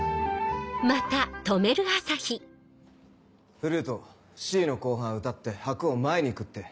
フルート Ｃ の後半歌って拍を前に食って。